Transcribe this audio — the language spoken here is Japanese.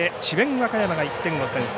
和歌山が１点を先制。